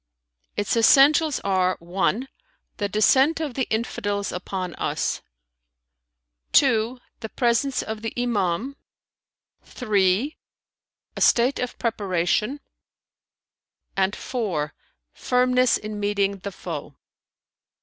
"Its essentials are: (1) the descent of the Infidels upon us; (2) the presence of the Imam; (3) a state of preparation; and (4) firmness in meeting the foe.